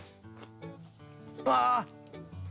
うわ！